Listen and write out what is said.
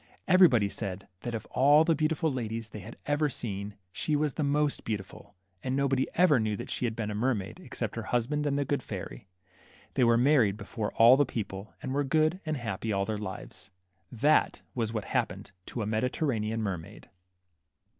Everybody said that of all the beautiful ladies they had ever seen, she was the most beautiful ; and nobody ever knew that she had been a mermaid, except her husband and the good fairy. They were married before all the people, and were good and happy all their Hves. That was what happened to a Mediterranean mer maid.